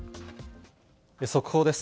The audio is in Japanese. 速報です。